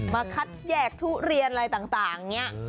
คัดแยกทุเรียนอะไรต่างอย่างนี้